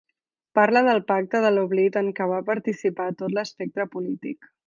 Parla del pacte de l’oblit en què va participar tot l’espectre polític.